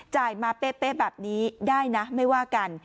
มาเป๊ะแบบนี้ได้นะไม่ว่ากัน